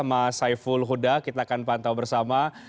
mas saiful huda kita akan pantau bersama